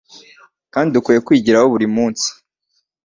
kandi dukwiye kwigiraho buri munsi